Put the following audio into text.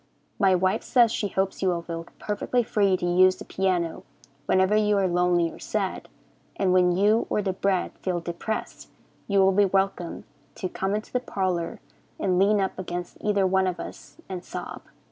My wife says she hopes you will feel perfectly free to use the piano whenever you are lonely or sad, and when you or the bread feel depressed you will be welcome to come into the parlor and lean up against either one of us and sob.